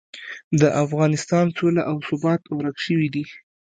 د افغانستان سوله او ثبات ورک شوي دي.